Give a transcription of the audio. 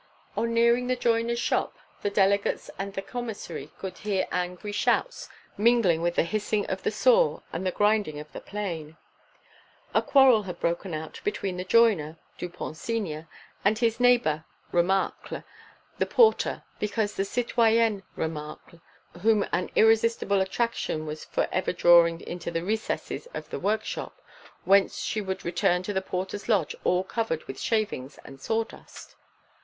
On nearing the joiner's shop, the delegates and the commissary could hear angry shouts mingling with the hissing of the saw and the grinding of the plane. A quarrel had broken out between the joiner, Dupont senior, and his neighbour Remacle, the porter, because of the citoyenne Remacle, whom an irresistible attraction was for ever drawing into the recesses of the workshop, whence she would return to the porter's lodge all covered with shavings and saw dust.